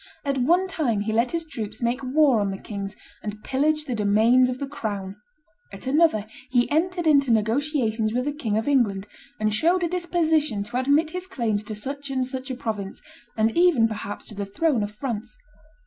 At one time he let his troops make war on the king's and pillage the domains of the crown; at another he entered into negotiations with the King of England, and showed a disposition to admit his claims to such and such a province, and even perhaps to the throne of France.